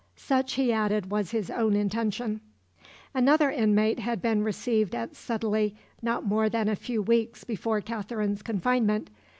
Such, he added, was his own intention. Another inmate had been received at Sudeley not more than a few weeks before Katherine's confinement.